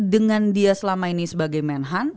dengan dia selama ini sebagai menhan